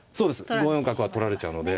５四角は取られちゃうので。